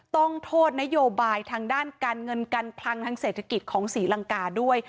ต้องโทษนโยบายทางด้านการเงินการคลังทางเศรษฐกิจของศรีลังกาด้วย